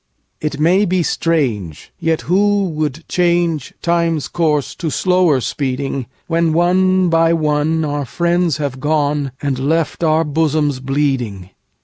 It may be strange—yet who would changeTime's course to slower speeding, When one by one our friends have goneAnd left our bosoms bleeding?